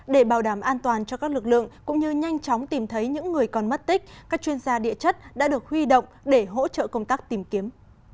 để bảo đảm an toàn cho các lực lượng cũng như nhanh chóng tìm thấy những người còn mất tích các chuyên gia địa chất đã được huy động để hỗ trợ công tác tìm kiếm